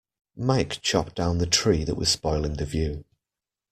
Mike chopped down the tree that was spoiling the view